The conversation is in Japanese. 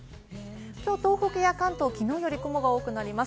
きょう東北や関東、きのうより雲が多くなります。